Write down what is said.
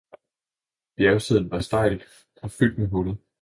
Bjergsiden var stejl og fyldt med huller.